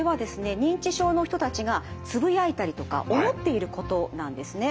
認知症の人たちがつぶやいたりとか思っていることなんですね。